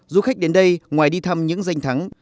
du khách đến đây ngoài đi thăm những danh thắng